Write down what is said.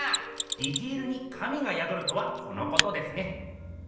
ディテールに神がやどるとはこのことですね。